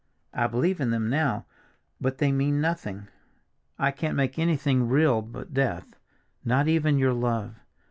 I believe in them now, but they mean nothing. I can't make anything real but death, not even your love!